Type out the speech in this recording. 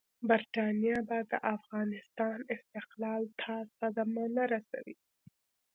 برټانیه به د افغانستان استقلال ته صدمه نه رسوي.